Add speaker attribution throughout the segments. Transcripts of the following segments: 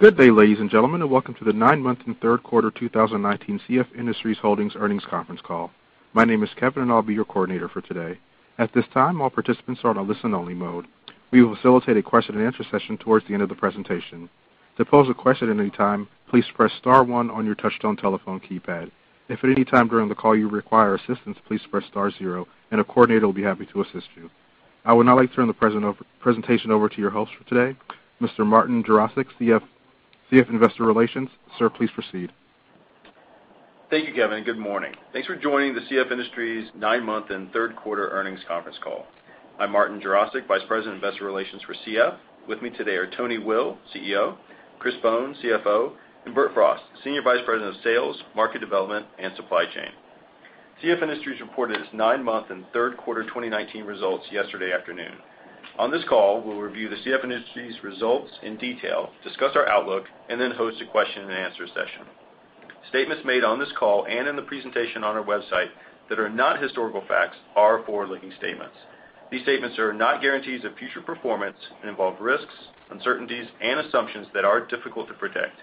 Speaker 1: Good day, ladies and gentlemen, welcome to the nine-month and third quarter 2019 CF Industries Holdings earnings conference call. My name is Kevin, and I'll be your coordinator for today. At this time, all participants are on a listen-only mode. We will facilitate a question-and-answer session towards the end of the presentation. To pose a question at any time, please press star one on your touch-tone telephone keypad. If at any time during the call you require assistance, please press star zero, and a coordinator will be happy to assist you. I would now like to turn the presentation over to your host for today, Mr. Martin Jarosick, CF Investor Relations. Sir, please proceed.
Speaker 2: Thank you, Kevin, and good morning. Thanks for joining the CF Industries nine-month and third quarter earnings conference call. I'm Martin Jarosick, Vice President, Investor Relations for CF. With me today are Tony Will, CEO, Chris Bohn, CFO, and Bert Frost, Senior Vice President of Sales, Market Development, and Supply Chain. CF Industries reported its nine-month and third quarter 2019 results yesterday afternoon. On this call, we'll review the CF Industries results in detail, discuss our outlook, and then host a question-and-answer session. Statements made on this call and in the presentation on our website that are not historical facts are forward-looking statements. These statements are not guarantees of future performance and involve risks, uncertainties, and assumptions that are difficult to predict.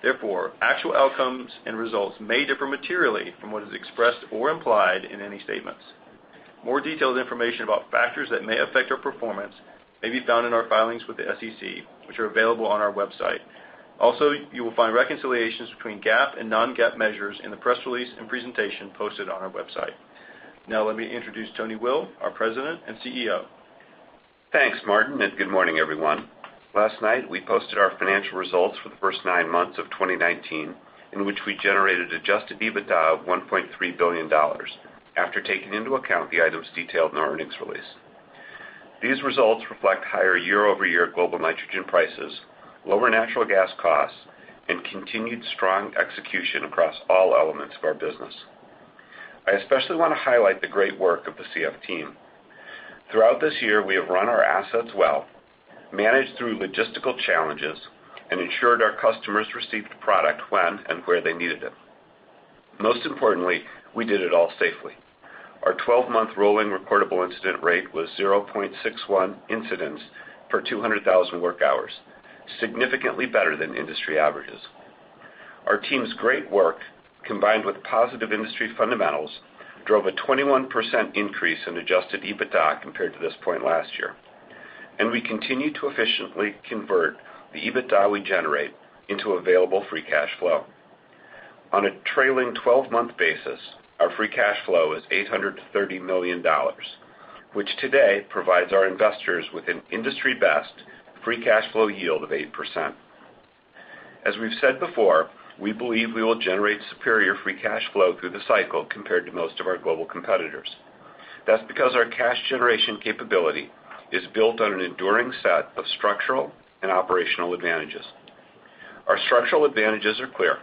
Speaker 2: Therefore, actual outcomes and results may differ materially from what is expressed or implied in any statements. More detailed information about factors that may affect our performance may be found in our filings with the SEC, which are available on our website. Also, you will find reconciliations between GAAP and non-GAAP measures in the press release and presentation posted on our website. Now let me introduce Tony Will, our President and CEO.
Speaker 3: Thanks, Martin. Good morning, everyone. Last night, we posted our financial results for the first nine months of 2019, in which we generated adjusted EBITDA of $1.3 billion, after taking into account the items detailed in our earnings release. These results reflect higher year-over-year global nitrogen prices, lower natural gas costs, and continued strong execution across all elements of our business. I especially want to highlight the great work of the CF team. Throughout this year, we have run our assets well, managed through logistical challenges, and ensured our customers received product when and where they needed it. Most importantly, we did it all safely. Our 12-month rolling reportable incident rate was 0.61 incidents per 200,000 work hours, significantly better than industry averages. Our team's great work, combined with positive industry fundamentals, drove a 21% increase in adjusted EBITDA compared to this point last year. We continue to efficiently convert the EBITDA we generate into available free cash flow. On a trailing 12-month basis, our free cash flow is $830 million, which today provides our investors with an industry-best free cash flow yield of 8%. As we've said before, we believe we will generate superior free cash flow through the cycle compared to most of our global competitors. That's because our cash generation capability is built on an enduring set of structural and operational advantages. Our structural advantages are clear.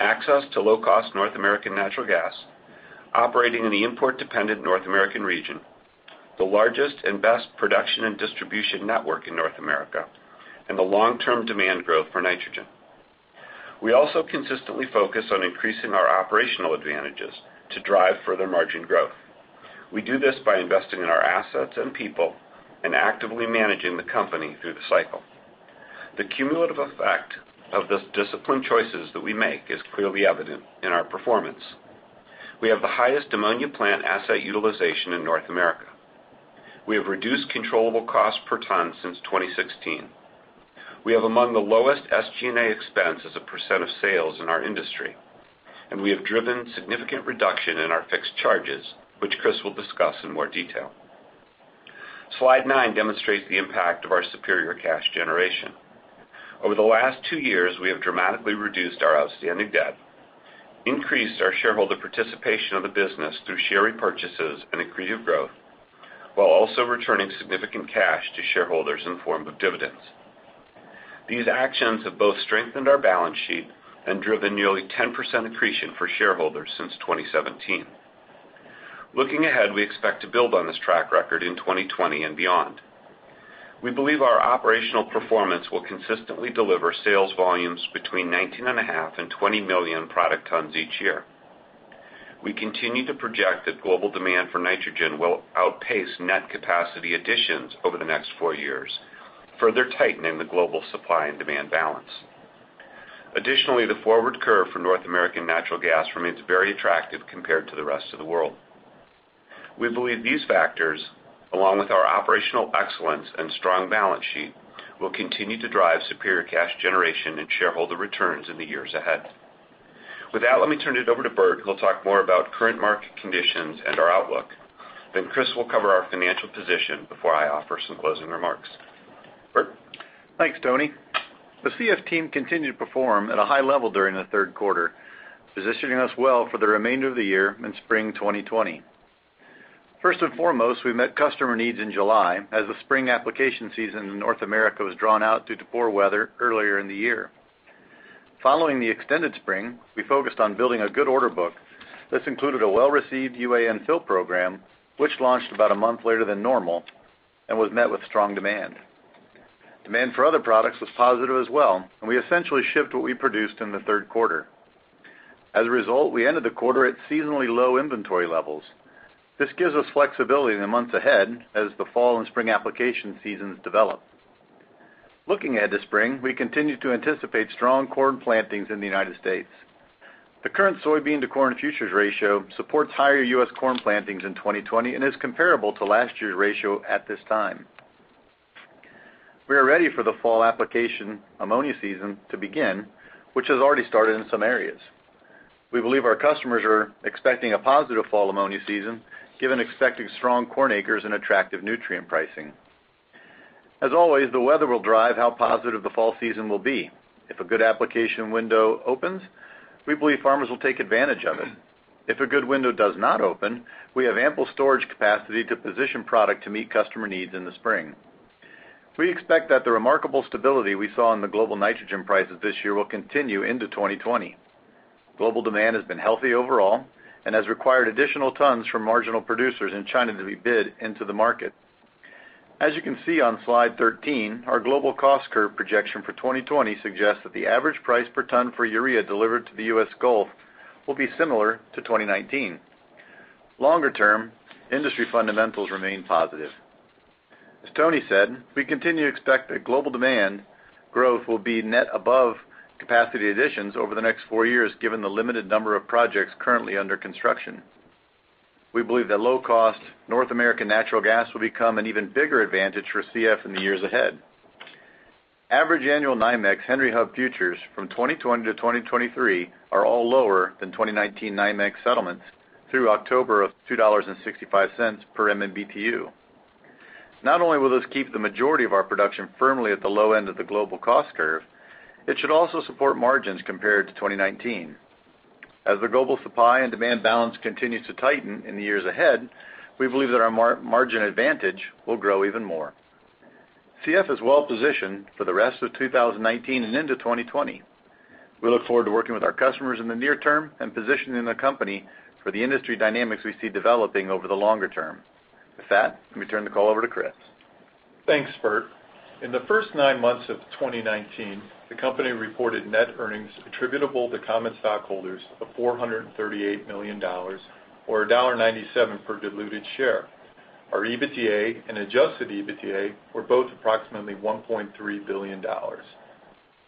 Speaker 3: Access to low-cost North American natural gas, operating in the import-dependent North American region, the largest and best production and distribution network in North America, and the long-term demand growth for nitrogen. We also consistently focus on increasing our operational advantages to drive further margin growth. We do this by investing in our assets and people and actively managing the company through the cycle. The cumulative effect of the disciplined choices that we make is clearly evident in our performance. We have the highest ammonia plant asset utilization in North America. We have reduced controllable cost per ton since 2016. We have among the lowest SG&A expense as a % of sales in our industry. We have driven significant reduction in our fixed charges, which Chris will discuss in more detail. Slide nine demonstrates the impact of our superior cash generation. Over the last two years, we have dramatically reduced our outstanding debt, increased our shareholder participation of the business through share repurchases and accretive growth, while also returning significant cash to shareholders in the form of dividends. These actions have both strengthened our balance sheet and driven nearly 10% accretion for shareholders since 2017. Looking ahead, we expect to build on this track record in 2020 and beyond. We believe our operational performance will consistently deliver sales volumes between 19.5 and 20 million product tons each year. We continue to project that global demand for nitrogen will outpace net capacity additions over the next four years, further tightening the global supply and demand balance. Additionally, the forward curve for North American natural gas remains very attractive compared to the rest of the world. We believe these factors, along with our operational excellence and strong balance sheet, will continue to drive superior cash generation and shareholder returns in the years ahead. With that, let me turn it over to Bert, who'll talk more about current market conditions and our outlook. Chris will cover our financial position before I offer some closing remarks. Bert?
Speaker 4: Thanks, Tony. The CF team continued to perform at a high level during the third quarter, positioning us well for the remainder of the year and spring 2020. First and foremost, we met customer needs in July as the spring application season in North America was drawn out due to poor weather earlier in the year. Following the extended spring, we focused on building a good order book. This included a well-received UAN fill program, which launched about a month later than normal and was met with strong demand. Demand for other products was positive as well, and we essentially shipped what we produced in the third quarter. As a result, we ended the quarter at seasonally low inventory levels. This gives us flexibility in the months ahead as the fall and spring application seasons develop. Looking ahead to spring, we continue to anticipate strong corn plantings in the U.S. The current soybean to corn futures ratio supports higher U.S. corn plantings in 2020 and is comparable to last year's ratio at this time. We are ready for the fall application ammonia season to begin, which has already started in some areas. We believe our customers are expecting a positive fall ammonia season given expecting strong corn acres and attractive nutrient pricing. As always, the weather will drive how positive the fall season will be. If a good application window opens, we believe farmers will take advantage of it. If a good window does not open, we have ample storage capacity to position product to meet customer needs in the spring. We expect that the remarkable stability we saw in the global nitrogen prices this year will continue into 2020. Global demand has been healthy overall and has required additional tons from marginal producers in China to be bid into the market. As you can see on slide 13, our global cost curve projection for 2020 suggests that the average price per ton for urea delivered to the U.S. Gulf will be similar to 2019. Longer term, industry fundamentals remain positive. As Tony said, we continue to expect that global demand growth will be net above capacity additions over the next four years given the limited number of projects currently under construction. We believe that low cost North American natural gas will become an even bigger advantage for CF in the years ahead. Average annual NYMEX Henry Hub futures from 2020 to 2023 are all lower than 2019 NYMEX settlements through October of $2.65 per MMBtu. Not only will this keep the majority of our production firmly at the low end of the global cost curve, it should also support margins compared to 2019. As the global supply and demand balance continues to tighten in the years ahead, we believe that our margin advantage will grow even more. CF is well positioned for the rest of 2019 and into 2020. We look forward to working with our customers in the near term and positioning the company for the industry dynamics we see developing over the longer term. With that, let me turn the call over to Chris.
Speaker 5: Thanks, Bert. In the first nine months of 2019, the company reported net earnings attributable to common stockholders of $438 million, or $1.97 per diluted share. Our EBITDA and adjusted EBITDA were both approximately $1.3 billion.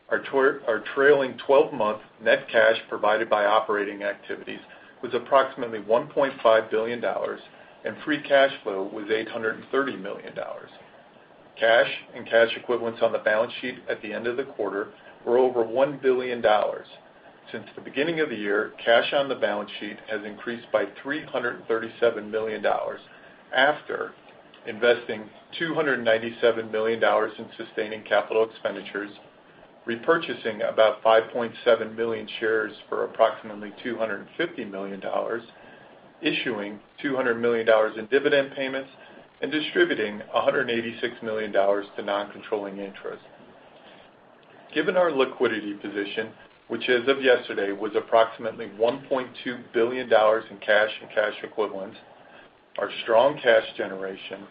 Speaker 5: Our trailing 12-month net cash provided by operating activities was approximately $1.5 billion and free cash flow was $830 million. Cash and cash equivalents on the balance sheet at the end of the quarter were over $1 billion. Since the beginning of the year, cash on the balance sheet has increased by $337 million after investing $297 million in sustaining capital expenditures, repurchasing about 5.7 million shares for approximately $250 million, issuing $200 million in dividend payments, and distributing $186 million to non-controlling interests. Given our liquidity position, which as of yesterday was approximately $1.2 billion in cash and cash equivalents, our strong cash generation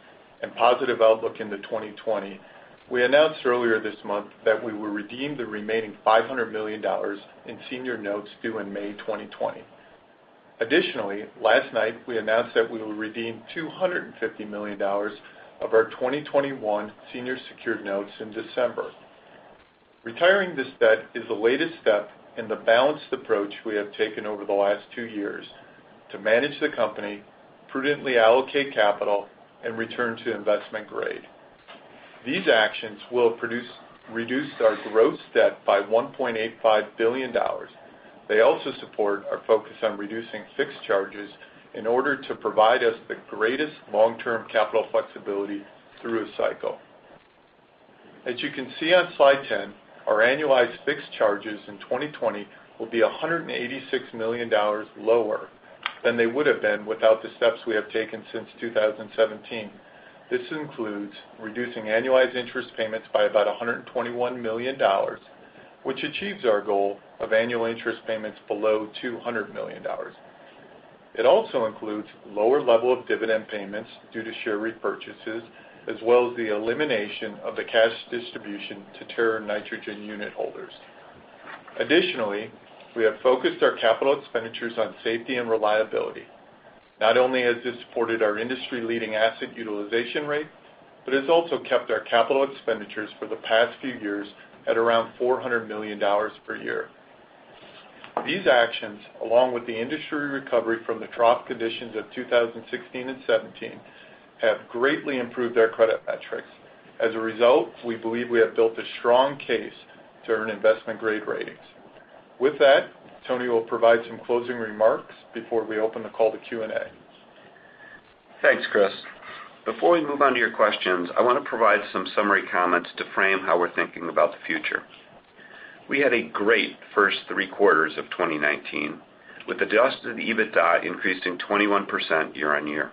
Speaker 5: and positive outlook into 2020, we announced earlier this month that we will redeem the remaining $500 million in senior notes due in May 2020. Additionally, last night, we announced that we will redeem $250 million of our 2021 senior secured notes in December. Retiring this debt is the latest step in the balanced approach we have taken over the last two years to manage the company, prudently allocate capital, and return to investment grade. These actions will reduce our gross debt by $1.85 billion. They also support our focus on reducing fixed charges in order to provide us the greatest long-term capital flexibility through a cycle. As you can see on slide 10, our annualized fixed charges in 2020 will be $186 million lower than they would have been without the steps we have taken since 2017. This includes reducing annualized interest payments by about $121 million, which achieves our goal of annual interest payments below $200 million. It also includes lower level of dividend payments due to share repurchases, as well as the elimination of the cash distribution to Terra Nitrogen unitholders. Additionally, we have focused our capital expenditures on safety and reliability. Not only has this supported our industry-leading asset utilization rate, but it's also kept our capital expenditures for the past few years at around $400 million per year. These actions, along with the industry recovery from the trough conditions of 2016 and 2017, have greatly improved our credit metrics. As a result, we believe we have built a strong case to earn investment grade ratings. With that, Tony will provide some closing remarks before we open the call to Q&A.
Speaker 3: Thanks, Chris. Before we move on to your questions, I want to provide some summary comments to frame how we're thinking about the future. We had a great first three quarters of 2019, with adjusted EBITDA increasing 21% year-on-year.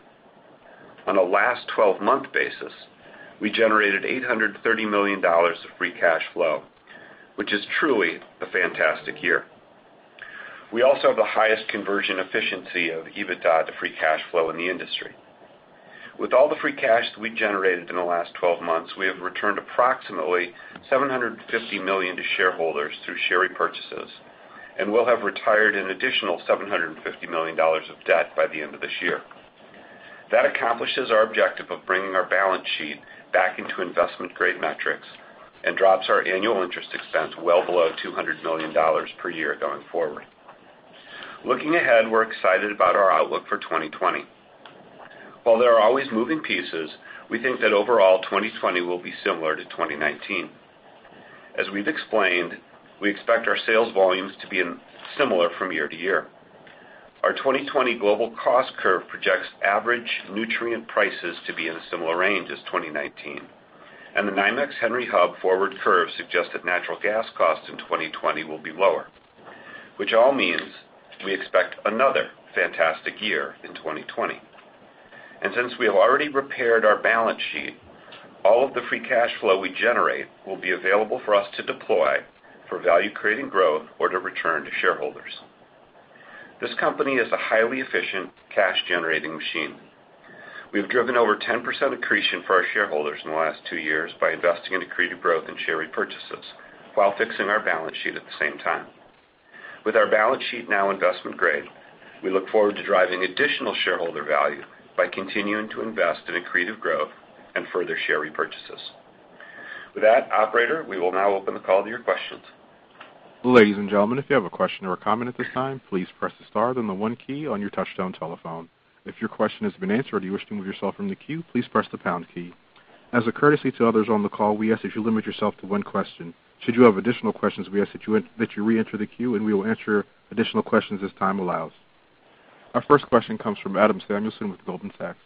Speaker 3: On a last 12-month basis, we generated $830 million of free cash flow, which is truly a fantastic year. We also have the highest conversion efficiency of EBITDA to free cash flow in the industry. With all the free cash that we generated in the last 12 months, we have returned approximately $750 million to shareholders through share repurchases, and we'll have retired an additional $750 million of debt by the end of this year. That accomplishes our objective of bringing our balance sheet back into investment-grade metrics and drops our annual interest expense well below $200 million per year going forward. Looking ahead, we're excited about our outlook for 2020. While there are always moving pieces, we think that overall 2020 will be similar to 2019. As we've explained, we expect our sales volumes to be similar from year to year. Our 2020 global cost curve projects average nutrient prices to be in a similar range as 2019. The NYMEX Henry Hub forward curve suggests that natural gas costs in 2020 will be lower. All means we expect another fantastic year in 2020. Since we have already repaired our balance sheet, all of the free cash flow we generate will be available for us to deploy for value-creating growth or to return to shareholders. This company is a highly efficient, cash-generating machine. We've driven over 10% accretion for our shareholders in the last two years by investing in accretive growth and share repurchases while fixing our balance sheet at the same time. With our balance sheet now investment grade, we look forward to driving additional shareholder value by continuing to invest in accretive growth and further share repurchases. With that, operator, we will now open the call to your questions.
Speaker 1: Ladies and gentlemen, if you have a question or a comment at this time, please press the star then the one key on your touch-tone telephone. If your question has been answered or you wish to move yourself from the queue, please press the pound key. As a courtesy to others on the call, we ask that you limit yourself to one question. Should you have additional questions, we ask that you reenter the queue and we will answer additional questions as time allows. Our first question comes from Adam Samuelson with Goldman Sachs.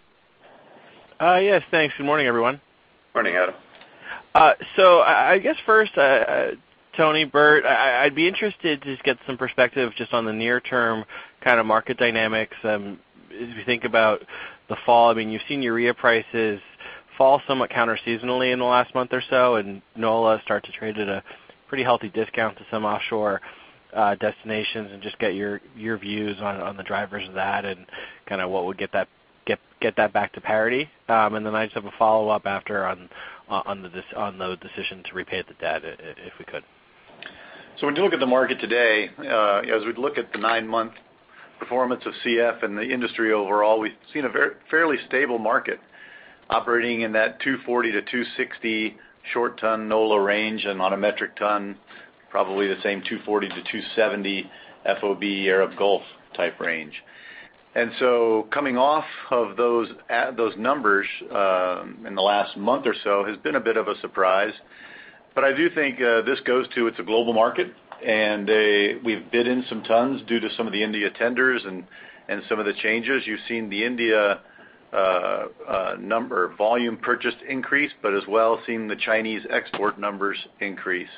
Speaker 6: Yes, thanks. Good morning, everyone.
Speaker 3: Morning, Adam.
Speaker 6: I guess first, Tony, Bert, I'd be interested to just get some perspective just on the near term kind of market dynamics. As we think about the fall, I mean, you've seen urea prices fall somewhat counterseasonally in the last month or so and NOLA start to trade at a pretty healthy discount to some offshore destinations and just get your views on the drivers of that and kind of what would get that back to parity. I just have a follow-up after on the decision to repay the debt, if we could.
Speaker 4: When you look at the market today, as we look at the nine-month performance of CF and the industry overall, we've seen a fairly stable market operating in that $240-$260 short ton NOLA range and on a metric ton, probably the same $240-$270 FOB Arab Gulf type range. Coming off of those numbers in the last month or so has been a bit of a surprise. I do think this goes to it's a global market, and we've bid in some tons due to some of the India tenders and some of the changes. You've seen the India volume purchase increase, but as well seen the Chinese export numbers increase.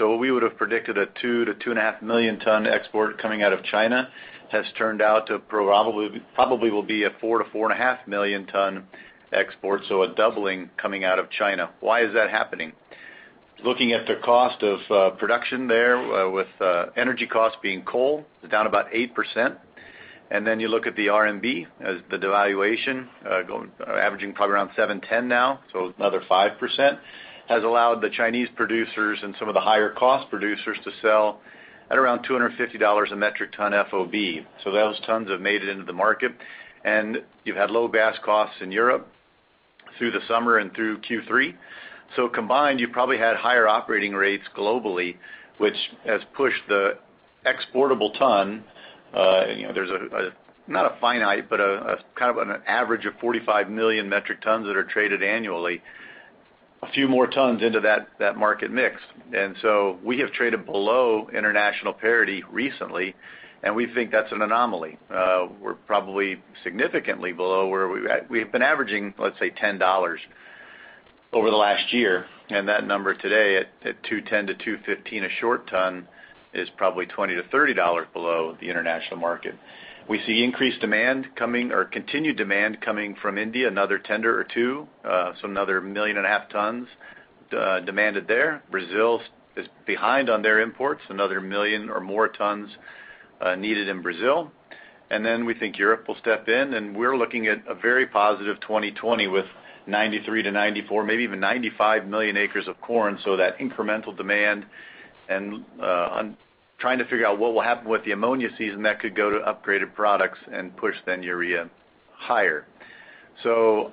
Speaker 4: What we would've predicted a 2 million-2.5 million ton export coming out of China has turned out to probably will be a 4 million-4.5 million ton export. A doubling coming out of China. Why is that happening? Looking at the cost of production there with energy costs being coal, down about 8%. You look at the RMB as the devaluation averaging probably around 710 now. Another 5% has allowed the Chinese producers and some of the higher cost producers to sell at around $250 a metric ton FOB. Those tons have made it into the market, and you've had low gas costs in Europe through the summer and through Q3. Combined, you've probably had higher operating rates globally, which has pushed the exportable ton. There's not a finite, but a kind of an average of 45 million metric tons that are traded annually. A few more tons into that market mix. We have traded below international parity recently, and we think that's an anomaly. We're probably significantly below. We've been averaging, let's say, $10 over the last year, and that number today at $210 to $215 a short ton is probably $20 to $30 below the international market. We see increased demand coming or continued demand coming from India, another tender or two, so another 1.5 million tons demanded there. Brazil is behind on their imports, another million or more tons needed in Brazil. We think Europe will step in and we're looking at a very positive 2020 with 93 to 94, maybe even 95 million acres of corn. That incremental demand and trying to figure out what will happen with the ammonia season that could go to upgraded products and push then urea higher.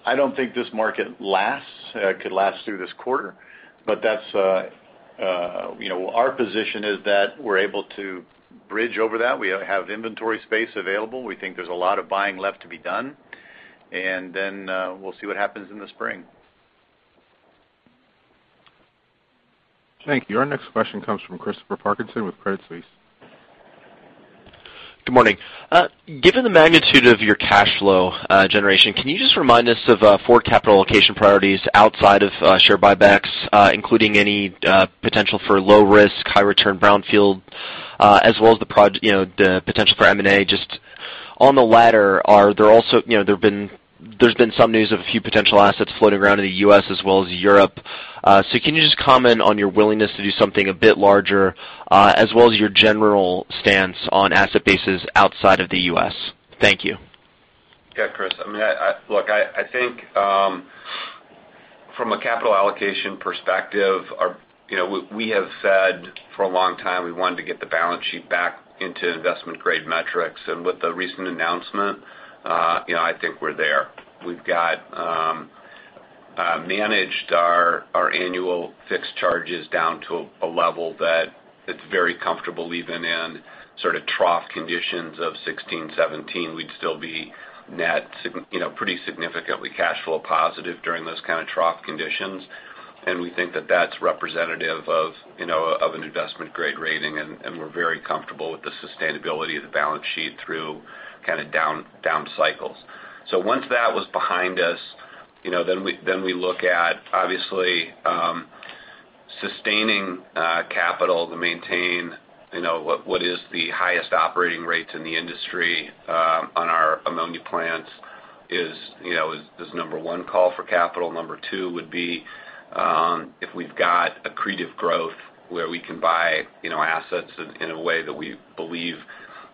Speaker 4: I don't think this market could last through this quarter, but our position is that we're able to bridge over that. We have inventory space available. We think there's a lot of buying left to be done. Then we'll see what happens in the spring.
Speaker 1: Thank you. Our next question comes from Christopher Parkinson with Credit Suisse.
Speaker 7: Good morning. Given the magnitude of your cash flow generation, can you just remind us of four capital allocation priorities outside of share buybacks including any potential for low risk, high return brownfield as well as the potential for M&A? Just on the latter, there's been some news of a few potential assets floating around in the U.S. as well as Europe. Can you just comment on your willingness to do something a bit larger, as well as your general stance on asset bases outside of the U.S.? Thank you.
Speaker 3: Yeah, Chris. Look, I think from a capital allocation perspective, we have said for a long time we wanted to get the balance sheet back into investment-grade metrics. With the recent announcement, I think we're there. We've managed our annual fixed charges down to a level that it's very comfortable, even in sort of trough conditions of 2016, 2017, we'd still be net pretty significantly cash flow positive during those kind of trough conditions. We think that that's representative of an investment-grade rating, and we're very comfortable with the sustainability of the balance sheet through kind of down cycles. Once that was behind us, then we look at, obviously, sustaining capital to maintain what is the highest operating rates in the industry on our ammonia plants is number one call for capital. Number two would be, if we've got accretive growth where we can buy assets in a way that we believe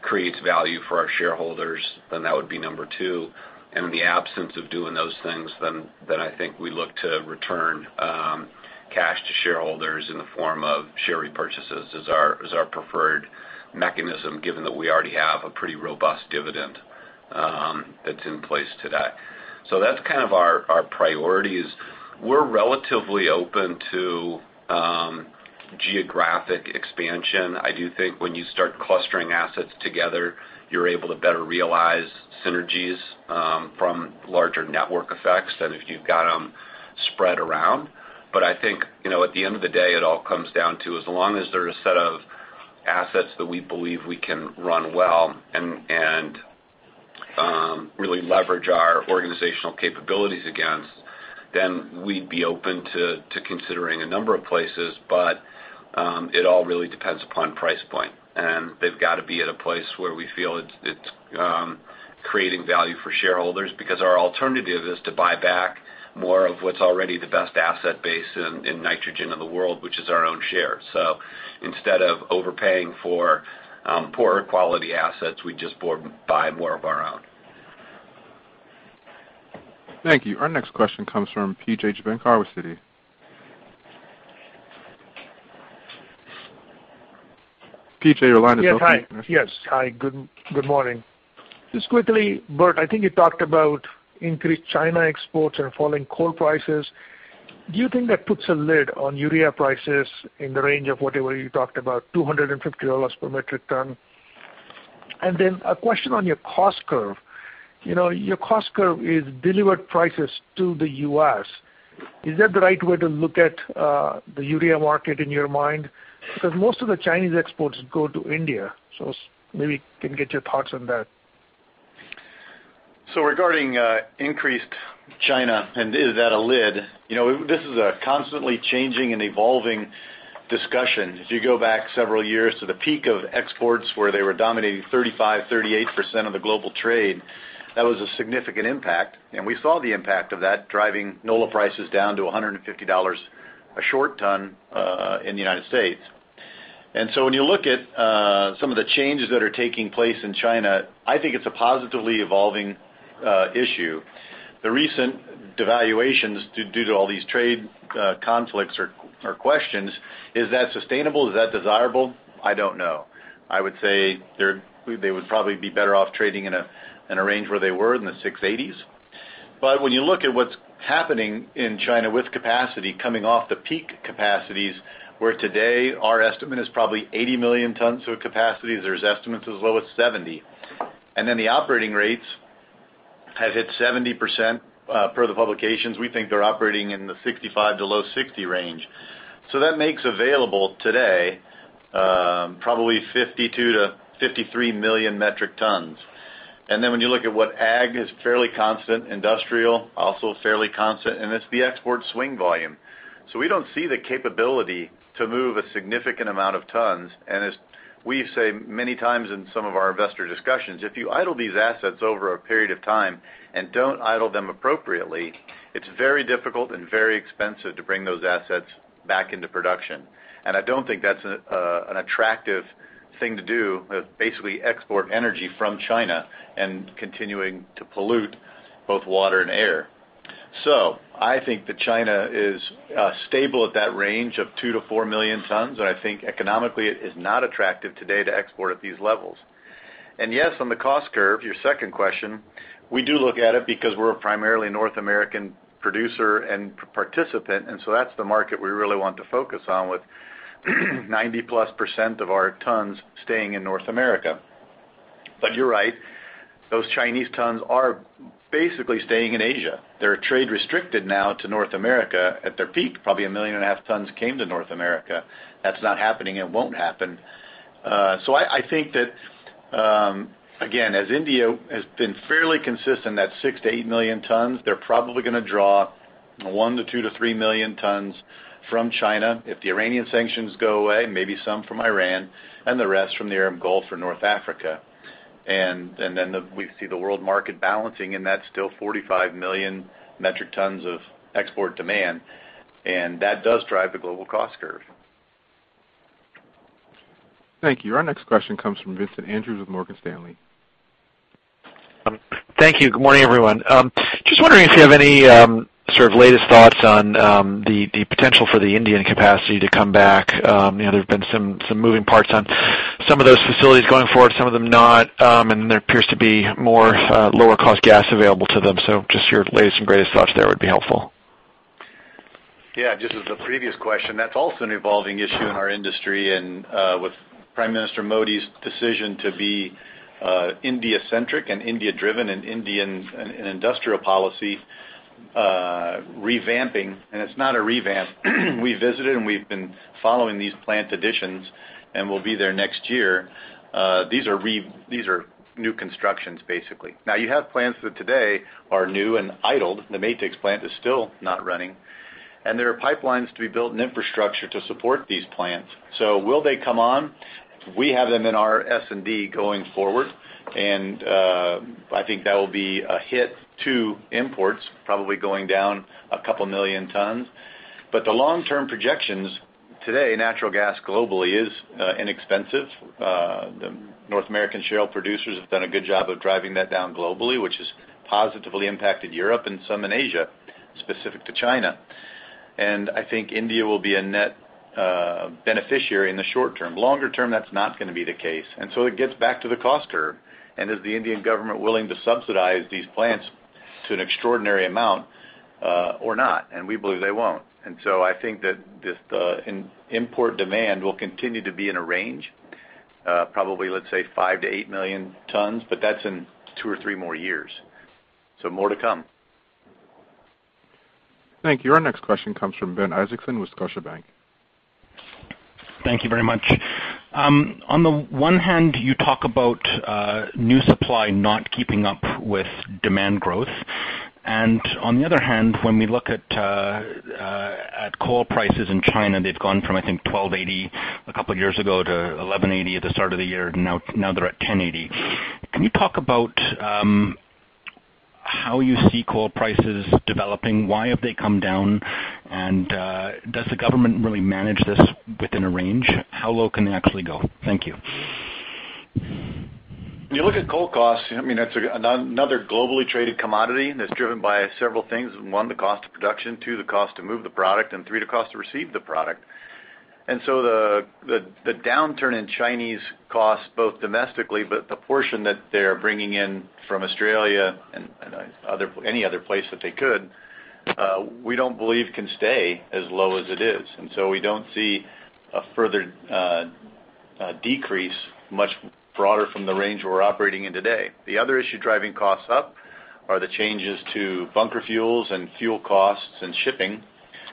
Speaker 3: creates value for our shareholders, then that would be number two. In the absence of doing those things, then I think we look to return cash to shareholders in the form of share repurchases, as our preferred mechanism, given that we already have a pretty robust dividend that's in place today. That's kind of our priorities. We're relatively open to geographic expansion. I do think when you start clustering assets together, you're able to better realize synergies from larger network effects than if you've got them spread around. I think, at the end of the day, it all comes down to, as long as there are a set of assets that we believe we can run well and really leverage our organizational capabilities against, then we'd be open to considering a number of places. It all really depends upon price point, and they've got to be at a place where we feel it's creating value for shareholders because our alternative is to buy back more of what's already the best asset base in nitrogen in the world, which is our own share. Instead of overpaying for poorer quality assets, we'd just buy more of our own.
Speaker 1: Thank you. Our next question comes from P.J. Juvekar with Citi. P.J., your line is open.
Speaker 8: Yes. Hi. Good morning. Just quickly, Bert, I think you talked about increased China exports and falling coal prices. Do you think that puts a lid on urea prices in the range of whatever you talked about, $250 per metric ton? A question on your cost curve. Your cost curve is delivered prices to the U.S. Is that the right way to look at the urea market in your mind? Maybe can get your thoughts on that.
Speaker 4: Regarding increased China and is that a lid, this is a constantly changing and evolving discussion. If you go back several years to the peak of exports where they were dominating 35%, 38% of the global trade, that was a significant impact. We saw the impact of that driving NOLA prices down to $150 a short ton in the U.S. When you look at some of the changes that are taking place in China, I think it's a positively evolving issue. The recent devaluations due to all these trade conflicts are questions. Is that sustainable? Is that desirable? I don't know. I would say they would probably be better off trading in a range where they were in the 680s. When you look at what's happening in China with capacity coming off the peak capacities, where today our estimate is probably 80 million tons of capacity, there's estimates as low as 70. The operating rates have hit 70% per the publications. We think they're operating in the 65 to low 60 range. That makes available today probably 52 to 53 million metric tons. When you look at what ag is fairly constant, industrial also fairly constant, and it's the export swing volume. We don't see the capability to move a significant amount of tons. As we say many times in some of our investor discussions, if you idle these assets over a period of time and don't idle them appropriately, it's very difficult and very expensive to bring those assets back into production. I don't think that's an attractive thing to do, basically export energy from China and continuing to pollute both water and air. I think that China is stable at that range of 2 million-4 million tons, and I think economically it is not attractive today to export at these levels. Yes, on the cost curve, your second question, we do look at it because we're a primarily North American producer and participant, and so that's the market we really want to focus on with 90%-plus of our tons staying in North America. You're right, those Chinese tons are basically staying in Asia. They're trade restricted now to North America. At their peak, probably 1.5 million tons came to North America. That's not happening and won't happen. I think that, again, as India has been fairly consistent at six to eight million tons, they're probably going to draw one to two to three million tons from China. If the Iranian sanctions go away, maybe some from Iran and the rest from the Arab Gulf or North Africa. Then we see the world market balancing, and that's still 45 million metric tons of export demand. That does drive the global cost curve.
Speaker 1: Thank you. Our next question comes from Vincent Andrews with Morgan Stanley.
Speaker 9: Thank you. Good morning, everyone. Just wondering if you have any sort of latest thoughts on the potential for the Indian capacity to come back. There have been some moving parts on some of those facilities going forward, some of them not. There appears to be more lower cost gas available to them. Just your latest and greatest thoughts there would be helpful.
Speaker 4: Yeah. Just as the previous question, that's also an evolving issue in our industry. With Prime Minister Modi's decision to be India-centric and India-driven in Indian industrial policy revamping. It's not a revamp. We visited, and we've been following these plant additions, and we'll be there next year. These are new constructions, basically. Now you have plants that today are new and idled. The Matix plant is still not running. There are pipelines to be built and infrastructure to support these plants. Will they come on? We have them in our S&D going forward, and I think that will be a hit to imports, probably going down a couple million tons. The long-term projections today, natural gas globally is inexpensive. The North American shale producers have done a good job of driving that down globally, which has positively impacted Europe and some in Asia, specific to China. I think India will be a net beneficiary in the short term. Longer term, that's not going to be the case. It gets back to the cost curve. Is the Indian government willing to subsidize these plants to an extraordinary amount or not? We believe they won't. I think that the import demand will continue to be in a range probably, let's say, 5 million-8 million tons, but that's in two or three more years. More to come.
Speaker 1: Thank you. Our next question comes from Ben Isaacson with Scotiabank.
Speaker 10: Thank you very much. On the one hand, you talk about new supply not keeping up with demand growth. On the other hand, when we look at coal prices in China, they've gone from, I think, $12.80 a couple of years ago to $11.80 at the start of the year. Now they're at $10.80. Can you talk about how you see coal prices developing? Why have they come down? Does the government really manage this within a range? How low can they actually go? Thank you.
Speaker 4: When you look at coal costs, that's another globally traded commodity that's driven by several things. One, the cost of production, two, the cost to move the product, and three, the cost to receive the product. The downturn in Chinese costs, both domestically, but the portion that they're bringing in from Australia and any other place that they could we don't believe can stay as low as it is. We don't see a further decrease much broader from the range we're operating in today. The other issue driving costs up are the changes to bunker fuel and fuel costs and shipping,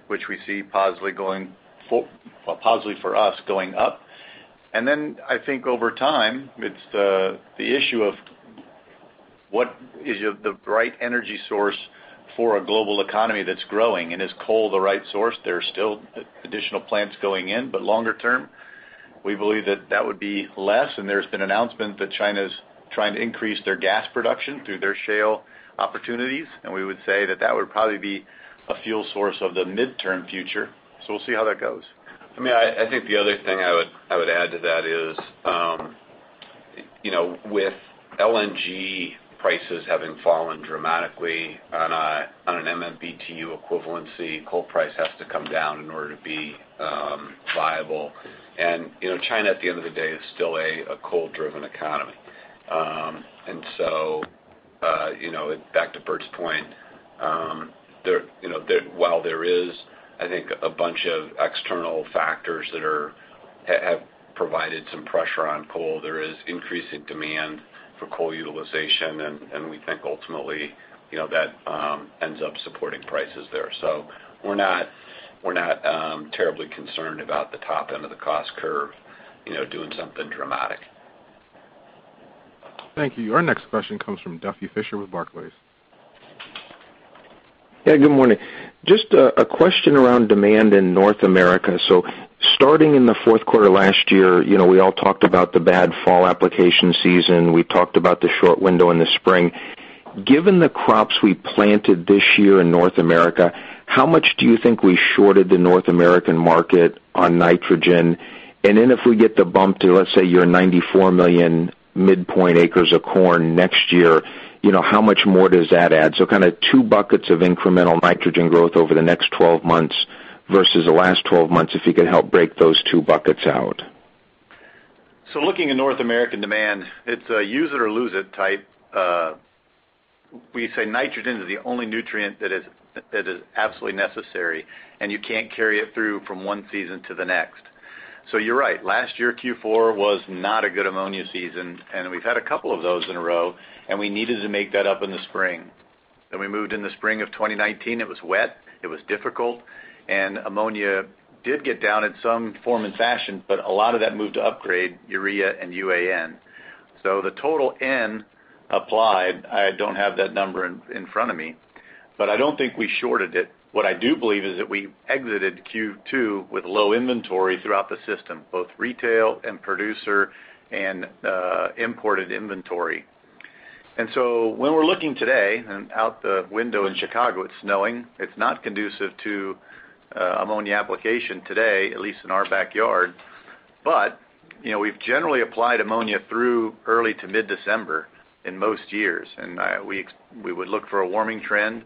Speaker 4: which we see positively for us going up. I think over time, it's the issue of what is the right energy source for a global economy that's growing. Is coal the right source?
Speaker 3: There are still additional plants going in, but longer term, we believe that that would be less. There's been announcement that China's trying to increase their gas production through their shale opportunities. We would say that that would probably be a fuel source of the midterm future. We'll see how that goes. I think the other thing I would add to that is with LNG prices having fallen dramatically on an MMBtu equivalency, coal price has to come down in order to be viable. China at the end of the day is still a coal-driven economy. Back to Bert's point while there is, I think, a bunch of external factors that have provided some pressure on coal, there is increasing demand for coal utilization. We think ultimately that ends up supporting prices there. We're not terribly concerned about the top end of the cost curve doing something dramatic.
Speaker 1: Thank you. Our next question comes from Duffy Fischer with Barclays.
Speaker 11: Yeah, good morning. Starting in the fourth quarter last year, we all talked about the bad fall application season. We talked about the short window in the spring. Given the crops we planted this year in North America, how much do you think we shorted the North American market on nitrogen? If we get the bump to, let's say, your 94 million midpoint acres of corn next year, how much more does that add? Kind of two buckets of incremental nitrogen growth over the next 12 months versus the last 12 months, if you could help break those two buckets out.
Speaker 4: Looking at North American demand, it's a use it or lose it type. We say nitrogen is the only nutrient that is absolutely necessary, and you can't carry it through from one season to the next. You're right. Last year, Q4 was not a good ammonia season, and we've had a couple of those in a row, and we needed to make that up in the spring. We moved in the spring of 2019. It was wet, it was difficult, and ammonia did get down in some form and fashion, but a lot of that moved to upgrade urea and UAN. The total N applied, I don't have that number in front of me. But I don't think we shorted it. What I do believe is that we exited Q2 with low inventory throughout the system, both retail and producer, and imported inventory. When we're looking today and out the window in Chicago, it's snowing. It's not conducive to ammonia application today, at least in our backyard. We've generally applied ammonia through early to mid-December in most years. We would look for a warming trend,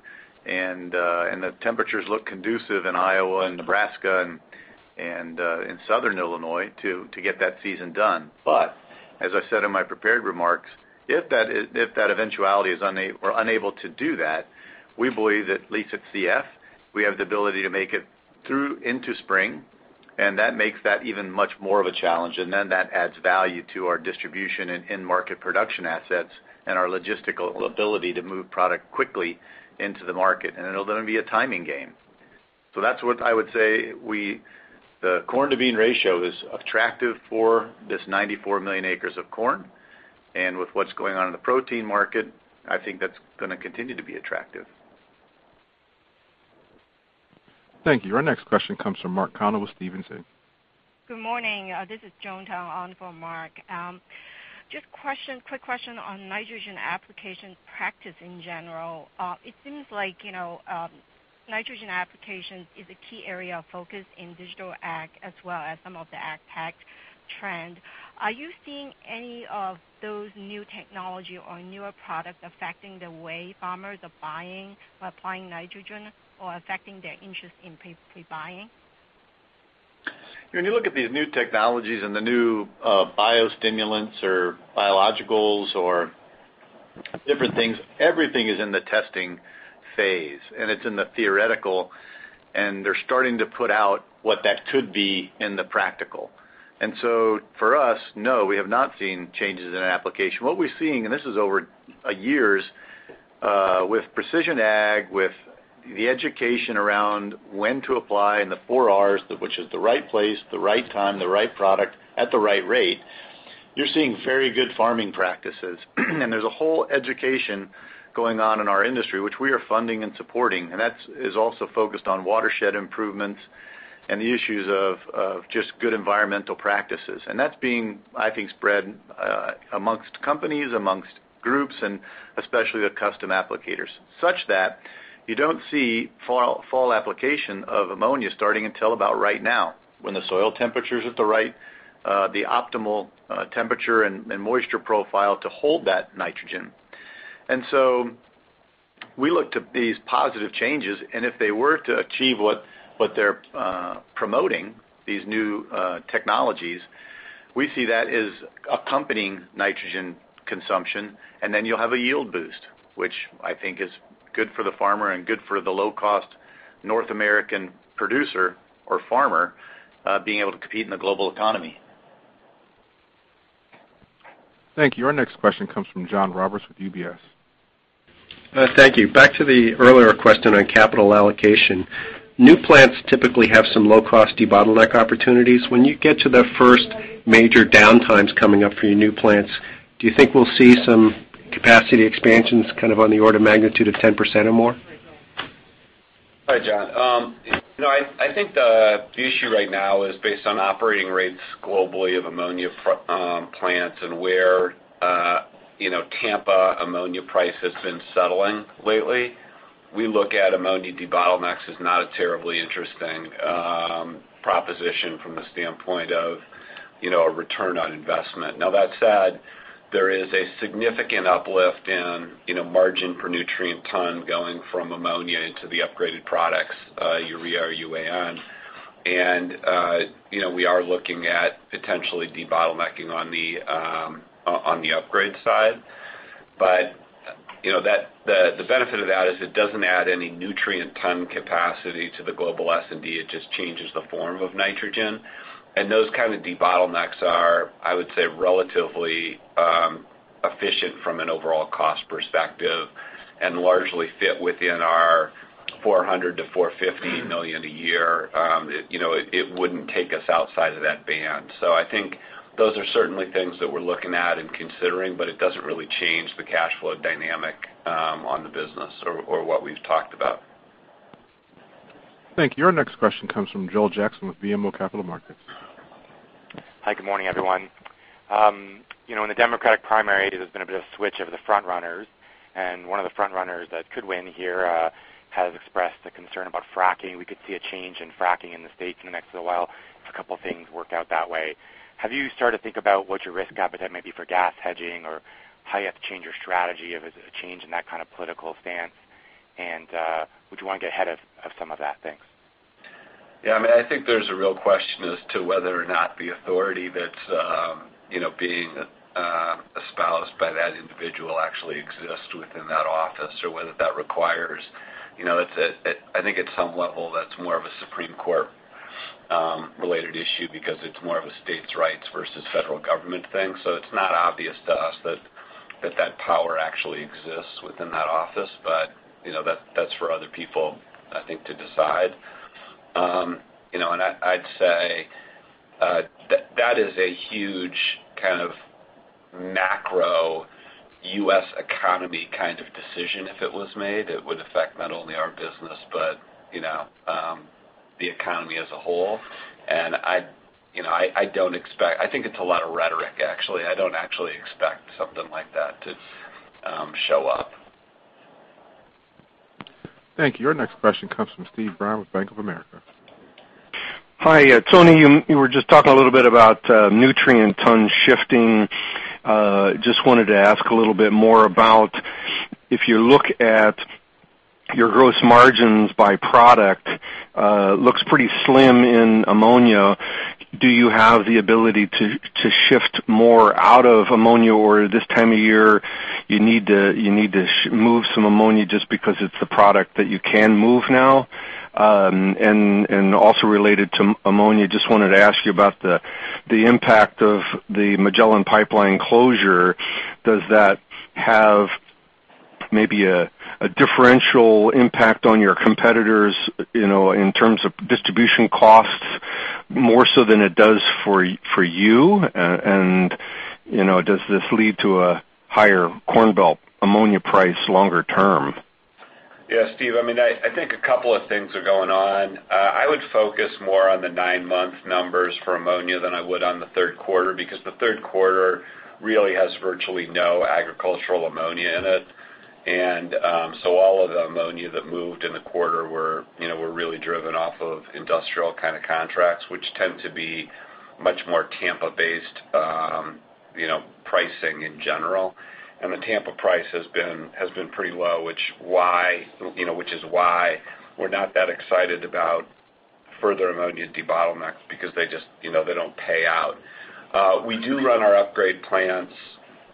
Speaker 4: and the temperatures look conducive in Iowa and Nebraska and in Southern Illinois to get that season done. As I said in my prepared remarks, if that eventuality is we're unable to do that, we believe that, at least at CF, we have the ability to make it through into spring, and that makes that even much more of a challenge. That adds value to our distribution in market production assets and our logistical ability to move product quickly into the market. It'll then be a timing game. That's what I would say. The corn to bean ratio is attractive for this 94 million acres of corn. With what's going on in the protein market, I think that's going to continue to be attractive.
Speaker 1: Thank you. Our next question comes from Mark Connelly with Stephens.
Speaker 12: Good morning. This is Joan Tang on for Mark. Just quick question on nitrogen application practice in general. It seems like nitrogen application is a key area of focus in digital agriculture as well as some of the ag tech trend. Are you seeing any of those new technology or newer products affecting the way farmers are buying or applying nitrogen or affecting their interest in pre-buying?
Speaker 4: When you look at these new technologies and the new biostimulants or biologicals or different things, everything is in the testing phase, and it's in the theoretical, and they're starting to put out what that could be in the practical. For us, no, we have not seen changes in application. What we're seeing, and this is over years, with precision ag, with the education around when to apply and the four Rs, which is the right place, the right time, the right product at the right rate. You're seeing very good farming practices. There's a whole education going on in our industry, which we are funding and supporting, and that is also focused on watershed improvements and the issues of just good environmental practices. That's being, I think, spread amongst companies, amongst groups, and especially the custom applicators, such that you don't see fall application of ammonia starting until about right now, when the soil temperature's at the optimal temperature and moisture profile to hold that nitrogen. So we look to these positive changes, and if they were to achieve what they're promoting, these new technologies, we see that as accompanying nitrogen consumption. Then you'll have a yield boost, which I think is good for the farmer and good for the low-cost North American producer or farmer being able to compete in the global economy.
Speaker 1: Thank you. Our next question comes from John Roberts with UBS.
Speaker 13: Thank you. Back to the earlier question on capital allocation. New plants typically have some low-cost debottleneck opportunities. When you get to the first major downtimes coming up for your new plants, do you think we'll see some capacity expansions on the order of magnitude of 10% or more?
Speaker 3: Hi, John. I think the issue right now is based on operating rates globally of ammonia plants and where Tampa ammonia price has been settling lately. We look at ammonia debottlenecks as not a terribly interesting proposition from the standpoint of a return on investment. That said, there is a significant uplift in margin per nutrient ton going from ammonia into the upgraded products, urea or UAN. We are looking at potentially debottlenecking on the upgrade side. The benefit of that is it doesn't add any nutrient ton capacity to the global S&D. It just changes the form of nitrogen. Those kind of debottlenecks are, I would say, relatively efficient from an overall cost perspective and largely fit within our $400 million-$450 million a year. It wouldn't take us outside of that band. I think those are certainly things that we're looking at and considering, but it doesn't really change the cash flow dynamic on the business or what we've talked about.
Speaker 1: Thank you. Our next question comes from Joel Jackson with BMO Capital Markets.
Speaker 14: Hi, good morning, everyone. In the Democratic primary, there's been a bit of switch of the front runners, and one of the front runners that could win here has expressed a concern about fracking. We could see a change in fracking in the U.S. in the next little while if a couple of things work out that way. Have you started to think about what your risk appetite might be for gas hedging or how you have to change your strategy if there's a change in that kind of political stance? Would you want to get ahead of some of that? Thanks.
Speaker 3: I think there's a real question as to whether or not the authority that's being espoused by that individual actually exists within that office. I think at some level that's more of a Supreme Court related issue because it's more of a state's rights versus federal government thing. It's not obvious to us that that power actually exists within that office. That's for other people, I think, to decide. I'd say that is a huge kind of macro U.S. economy kind of decision if it was made, it would affect not only our business, but the economy as a whole. I think it's a lot of rhetoric, actually. I don't actually expect something like that to show up.
Speaker 1: Thank you. Your next question comes from Steve Byrne with Bank of America.
Speaker 15: Hi, Tony. You were just talking a little bit about nutrient ton shifting. Just wanted to ask a little bit more about if you look at your gross margins by product, looks pretty slim in ammonia. Do you have the ability to shift more out of ammonia, or this time of year, you need to move some ammonia just because it's the product that you can move now? Also related to ammonia, just wanted to ask you about the impact of the Magellan pipeline closure. Does that have maybe a differential impact on your competitors, in terms of distribution costs, more so than it does for you? Does this lead to a higher Corn Belt ammonia price longer term?
Speaker 3: Yeah, Steve, I think a couple of things are going on. I would focus more on the nine-month numbers for ammonia than I would on the third quarter because the third quarter really has virtually no agricultural ammonia in it. All of the ammonia that moved in the quarter were really driven off of industrial kind of contracts, which tend to be much more Tampa-based pricing in general. The Tampa price has been pretty low, which is why we're not that excited about further ammonia debottlenecks because they don't pay out. We do run our upgrade plants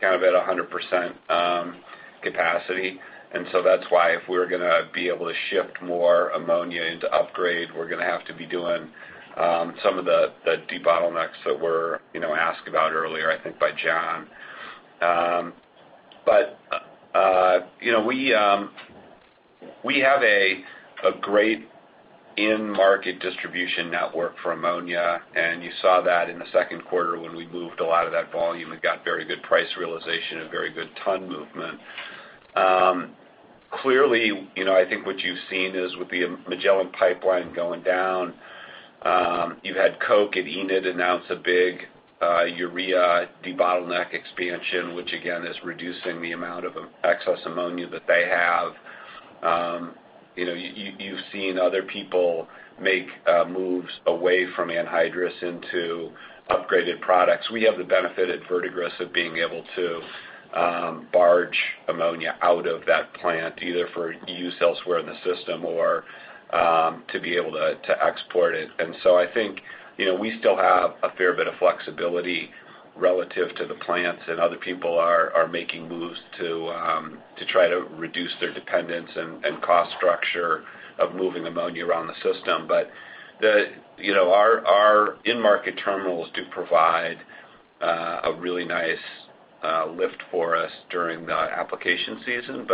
Speaker 3: kind of at 100% capacity. That's why if we're going to be able to shift more ammonia into upgrade, we're going to have to be doing some of the debottlenecks that were asked about earlier, I think by John. We have a great in-market distribution network for ammonia, and you saw that in the second quarter when we moved a lot of that volume and got very good price realization and very good ton movement. Clearly, I think what you've seen is with the Magellan pipeline going down, you've had Koch and Enid announce a big urea debottleneck expansion, which again, is reducing the amount of excess ammonia that they have. You've seen other people make moves away from anhydrous into upgraded products. We have the benefit at Verdigris of being able to barge ammonia out of that plant, either for use elsewhere in the system or to be able to export it. I think we still have a fair bit of flexibility relative to the plants that other people are making moves to try to reduce their dependence and cost structure of moving ammonia around the system. Our in-market terminals do provide a really nice lift for us during the application season.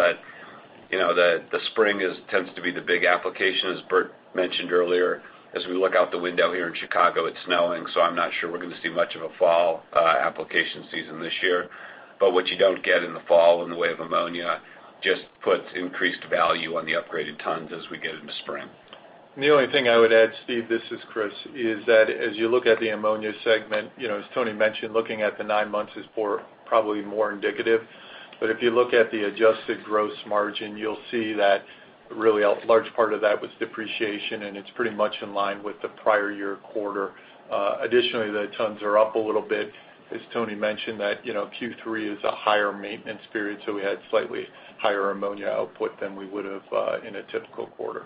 Speaker 3: The spring tends to be the big application, as Bert mentioned earlier. As we look out the window here in Chicago, it's snowing, so I'm not sure we're going to see much of a fall application season this year. What you don't get in the fall in the way of ammonia just puts increased value on the upgraded tons as we get into spring.
Speaker 5: The only thing I would add, Steve, this is Chris, is that as you look at the ammonia segment, as Tony mentioned, looking at the nine months is probably more indicative. If you look at the adjusted gross margin, you'll see that really a large part of that was depreciation, and it's pretty much in line with the prior year quarter. Additionally, the tons are up a little bit. As Tony mentioned that Q3 is a higher maintenance period, so we had slightly higher ammonia output than we would have in a typical quarter.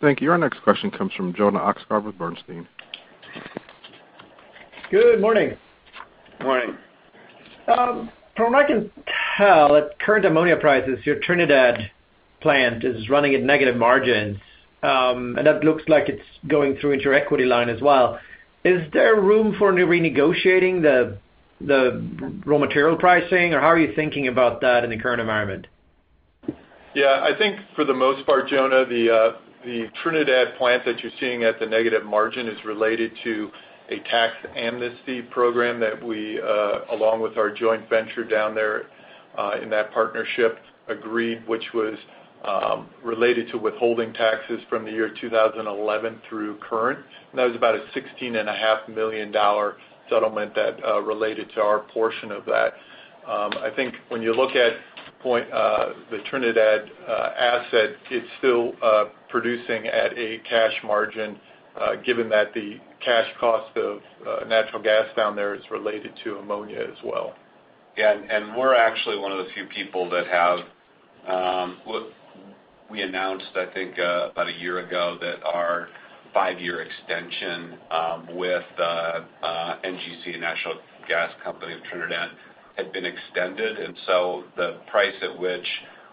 Speaker 1: Thank you. Our next question comes from Jonas Oxgaard with Bernstein.
Speaker 16: Good morning.
Speaker 3: Morning.
Speaker 16: From what I can tell, at current ammonia prices, your Trinidad plant is running at negative margins. That looks like it's going through into your equity line as well. Is there room for renegotiating the raw material pricing, or how are you thinking about that in the current environment?
Speaker 5: Yeah, I think for the most part, Jonas, the Trinidad plant that you're seeing at the negative margin is related to a tax amnesty program that we, along with our joint venture down there in that partnership agreed, which was related to withholding taxes from the year 2011 through current. That was about a $16.5 million settlement that related to our portion of that. I think when you look at the Trinidad asset, it's still producing at a cash margin, given that the cash cost of natural gas down there is related to ammonia as well.
Speaker 3: Yeah, we're actually one of the few people. We announced, I think about a year ago, that our five-year extension with NGC, National Gas Company of Trinidad, had been extended. The price at which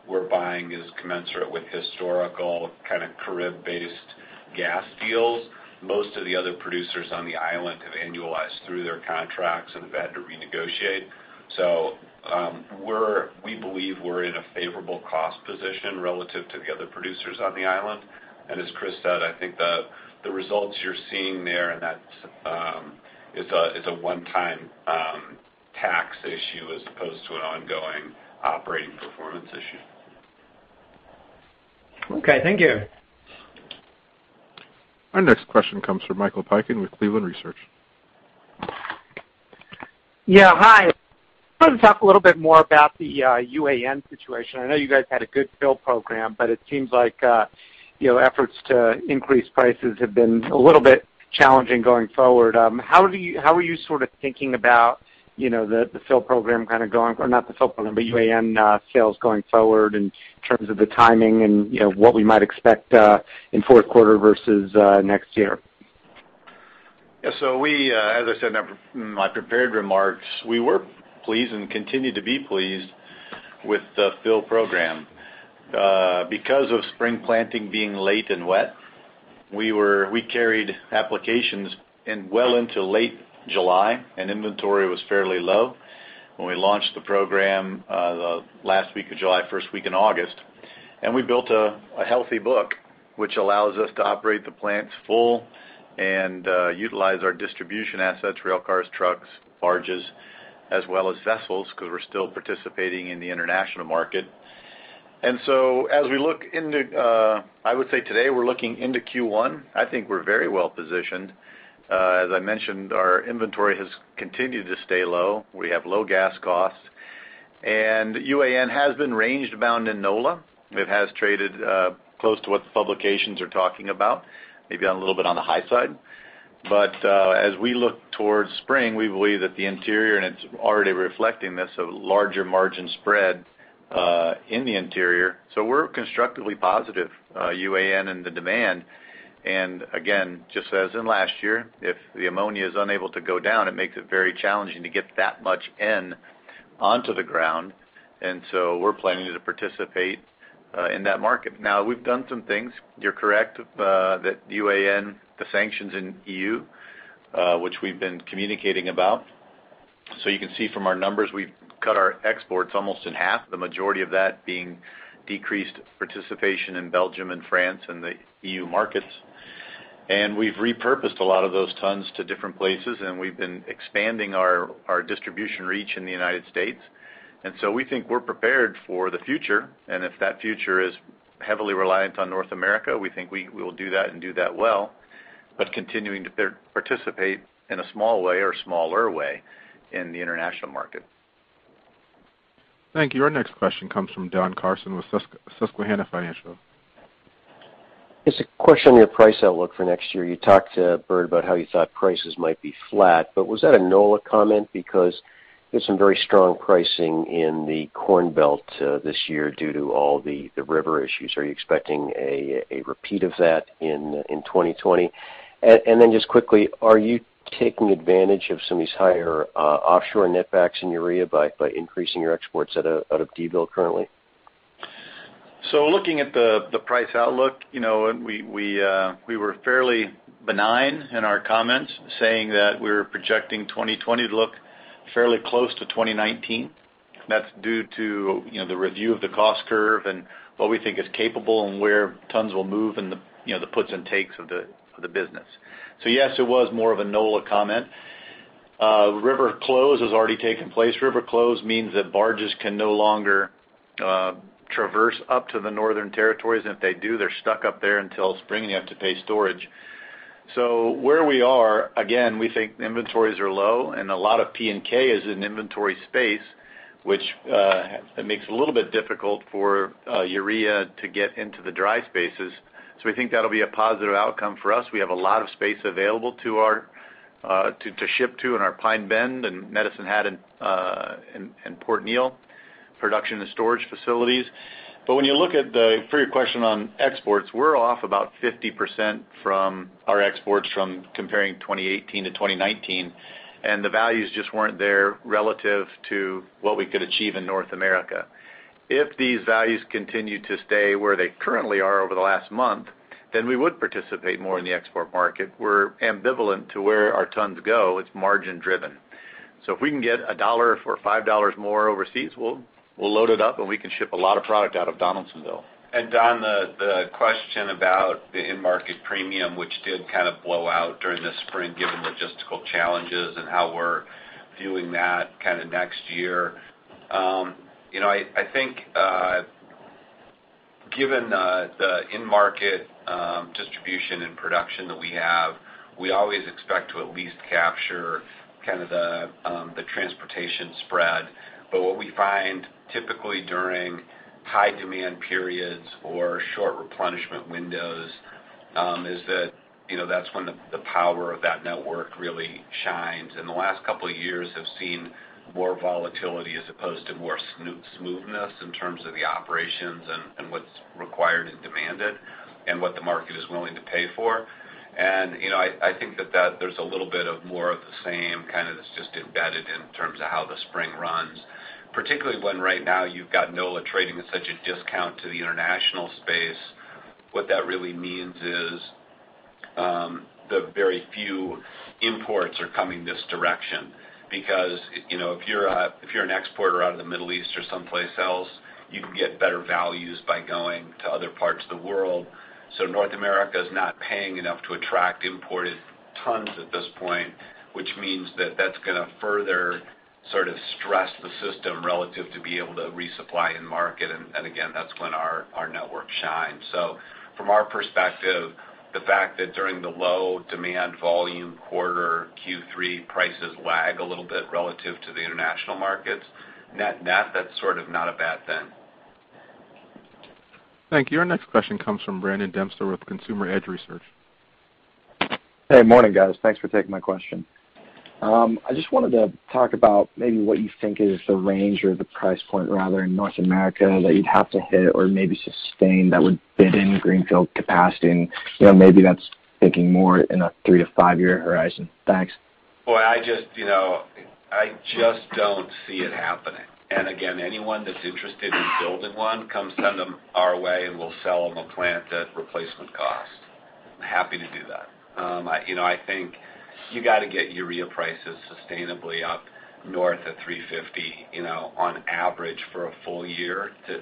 Speaker 3: we're buying is commensurate with historical kind of Carib-based gas deals. Most of the other producers on the island have annualized through their contracts and have had to renegotiate. We believe we're in a favorable cost position relative to the other producers on the island. As Chris said, I think the results you're seeing there, and that is a one-time tax issue as opposed to an ongoing operating performance issue.
Speaker 16: Okay, thank you.
Speaker 1: Our next question comes from Michael Piken with Cleveland Research.
Speaker 17: Yeah. Hi. I wanted to talk a little bit more about the UAN situation. I know you guys had a good fill program. It seems like efforts to increase prices have been a little bit challenging going forward. How are you thinking about UAN sales going forward in terms of the timing and what we might expect in fourth quarter versus next year?
Speaker 4: Yeah. We, as I said in my prepared remarks, we were pleased and continue to be pleased with the fill program. Because of spring planting being late and wet, we carried applications well into late July, and inventory was fairly low when we launched the program the last week of July, first week in August. We built a healthy book, which allows us to operate the plants full and utilize our distribution assets, rail cars, trucks, barges, as well as vessels, because we're still participating in the international market. As we look into, I would say today we're looking into Q1, I think we're very well positioned. As I mentioned, our inventory has continued to stay low. We have low gas costs. UAN has been range bound in NOLA. It has traded close to what the publications are talking about, maybe a little bit on the high side. As we look towards spring, we believe that the interior, and it's already reflecting this, a larger margin spread in the interior. We're constructively positive UAN and the demand. Again, just as in last year, if the ammonia is unable to go down, it makes it very challenging to get that much N onto the ground. We're planning to participate in that market. We've done some things. You're correct that UAN, the sanctions in EU, which we've been communicating about. You can see from our numbers, we've cut our exports almost in half, the majority of that being decreased participation in Belgium and France and the EU markets. We've repurposed a lot of those tons to different places, and we've been expanding our distribution reach in the United States. We think we're prepared for the future. If that future is heavily reliant on North America, we think we will do that and do that well, but continuing to participate in a small way or smaller way in the international market.
Speaker 1: Thank you. Our next question comes from Don Carson with Susquehanna Financial.
Speaker 18: It's a question on your price outlook for next year. You talked, Bert, about how you thought prices might be flat. Was that a NOLA comment? There's some very strong pricing in the Corn Belt this year due to all the river issues. Are you expecting a repeat of that in 2020? Just quickly, are you taking advantage of some of these higher offshore netbacks in urea by increasing your exports out of Donaldsonville currently?
Speaker 4: Looking at the price outlook, we were fairly benign in our comments saying that we're projecting 2020 to look fairly close to 2019. That's due to the review of the cost curve and what we think is capable and where tons will move and the puts and takes of the business. Yes, it was more of a NOLA comment. River close has already taken place. River close means that barges can no longer traverse up to the northern territories, and if they do, they're stuck up there until spring and you have to pay storage. Where we are, again, we think inventories are low and a lot of P&K is in inventory space, which makes it a little bit difficult for urea to get into the dry spaces. We think that'll be a positive outcome for us. We have a lot of space available to ship to in our Pine Bend and Medicine Hat and Port Neal production and storage facilities. When you look at for your question on exports, we're off about 50% from our exports from comparing 2018 to 2019, and the values just weren't there relative to what we could achieve in North America. If these values continue to stay where they currently are over the last month, then we would participate more in the export market. We're ambivalent to where our tons go. It's margin driven. If we can get $1 or $5 more overseas, we'll load it up and we can ship a lot of product out of Donaldsonville. Don, the question about the in-market premium, which did kind of blow out during the spring, given logistical challenges and how we're viewing that next year. I think given the in-market distribution and production that we have, we always expect to at least capture the transportation spread. What we find typically during high demand periods or short replenishment windows is that's when the power of that network really shines. The last couple of years have seen more volatility as opposed to more smoothness in terms of the operations and what's required and demanded and what the market is willing to pay for. I think that there's a little bit of more of the same, it's just embedded in terms of how the spring runs. Particularly when right now you've got NOLA trading at such a discount to the international space. What that really means is
Speaker 3: The very few imports are coming this direction because if you're an exporter out of the Middle East or someplace else, you can get better values by going to other parts of the world. North America is not paying enough to attract imported tons at this point, which means that's going to further sort of stress the system relative to be able to resupply and market, and again, that's when our network shines. From our perspective, the fact that during the low-demand volume quarter Q3 prices lag a little bit relative to the international markets, net, that's sort of not a bad thing.
Speaker 1: Thank you. Our next question comes from Brandon Dempster with Consumer Edge Research.
Speaker 19: Hey, morning, guys. Thanks for taking my question. I just wanted to talk about maybe what you think is the range or the price point, rather, in North America that you'd have to hit or maybe sustain that would fit in greenfield capacity. Maybe that's thinking more in a three- to five-year horizon. Thanks.
Speaker 3: Boy, I just don't see it happening. Again, anyone that's interested in building one, come send them our way, and we'll sell them a plant at replacement cost. Happy to do that. I think you got to get urea prices sustainably up north of $350 on average for a full year to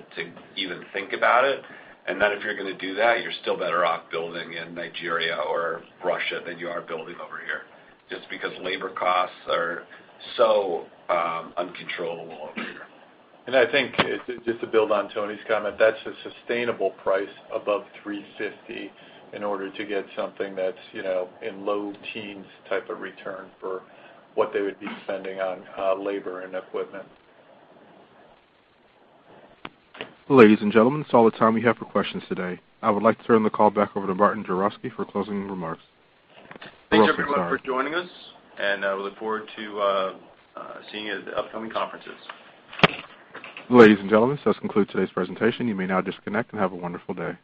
Speaker 3: even think about it. If you're going to do that, you're still better off building in Nigeria or Russia than you are building over here, just because labor costs are so uncontrollable over here.
Speaker 5: I think, just to build on Tony's comment, that's a sustainable price above $350 in order to get something that's in low teens type of return for what they would be spending on labor and equipment.
Speaker 1: Ladies and gentlemen, that's all the time we have for questions today. I would like to turn the call back over to Martin Jurowski for closing remarks.
Speaker 2: Thanks, everyone, for joining us, and we look forward to seeing you at the upcoming conferences.
Speaker 1: Ladies and gentlemen, this does conclude today's presentation. You may now disconnect, and have a wonderful day.